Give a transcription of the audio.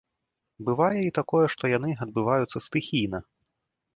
Бывае і такое, што яны адбываюцца стыхійна.